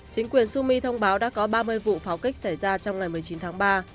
chính quyền sumi thông báo đã có ba mươi vụ pháo kích xảy ra trong ngày một mươi chín tháng ba